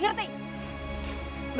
biar kamu di penjara